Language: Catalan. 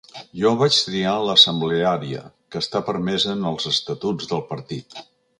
Jo vaig triar l’assembleària, que està permesa en els estatuts del partit.